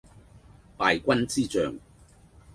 敗軍之將